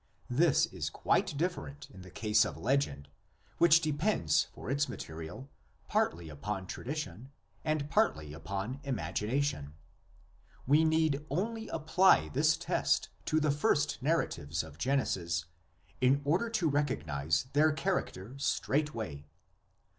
This, is quite different in the case of legend, which depends for its material partly upon tradition and 6 THE LEGENDS OF GENESIS. partly upon imagination. We need only apply this test to the first narratives of Genesis in order to recognise their character straightway.